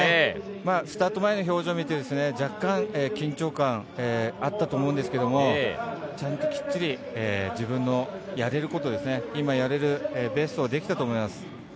スタート前の表情を見て若干緊張感あったと思うんですけどちゃんときっちり、自分のやれること今、やれるベストはできたと思います。